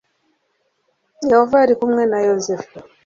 yehova yari kumwe na yozefu